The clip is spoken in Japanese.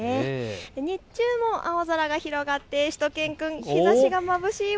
日中も青空が広がってしゅと犬くん、日ざしがまぶしい